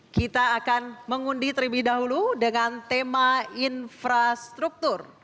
kita akan mengundi terlebih dahulu dengan tema infrastruktur